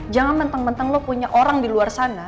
jangan menteng menteng lo punya orang di luar sana